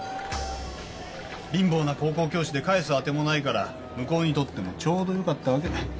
貧乏な高校教師で返す当てもないから向こうにとってもちょうど良かったわけ。